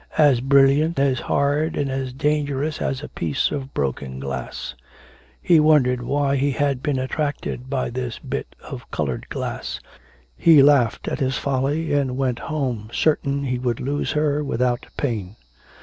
'As brilliant, as hard, and as dangerous as a piece of broken glass.' He wondered why he had been attracted by this bit of coloured glass; he laughed at his folly and went home certain that he could lose her without pain.